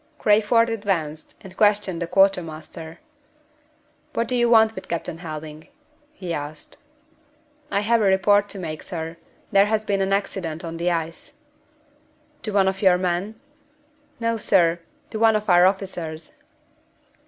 Crayford advanced and questioned the quartermaster. "What do you want with Captain Helding?" he asked. "I have a report to make, sir. There has been an accident on the ice." "To one of your men?" "No, sir. To one of our officers."